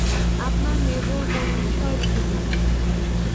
আপনার মেজর কোন বিষয়ে ছিল?